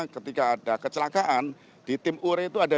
ketika ada kecelakaan di tim ure itu ada